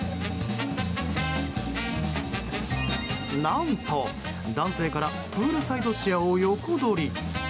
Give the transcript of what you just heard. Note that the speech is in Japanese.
何と、男性からプールサイドチェアを横取り。